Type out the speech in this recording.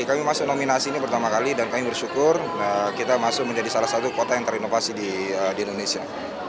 kami masuk nominasi ini pertama kali dan kami bersyukur kita masuk menjadi salah satu kota yang terinovasi di indonesia